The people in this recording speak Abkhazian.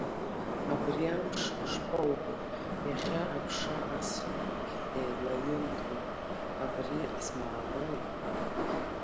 Абри амш шԥоубо, иахьа аԥша асуеит, еилаҩынтуеит, абри змаанои?